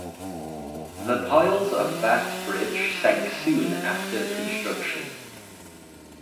The piles of that bridge sank soon after construction.